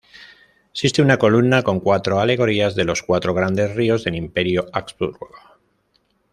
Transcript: Existe una columna con cuatro alegorías de los cuatro grandes ríos del Imperio Habsburgo.